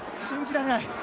信じられない。